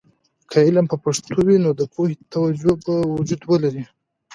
که علم په پښتو وي، نو د پوهې توجه به وجود ولري.